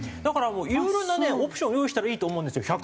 だからいろいろなねオプション用意したらいいと思うんですよ。